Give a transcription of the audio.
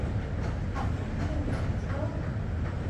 А планы бяруцца не з галавы.